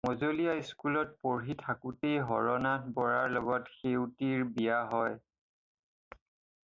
মজলীয়া স্কুলত পঢ়ি থাকোঁতেই হৰনাথ বৰাৰ লগত সেউতীৰ বিয়া হয়।